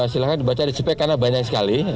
silahkan dibaca di spek karena banyak sekali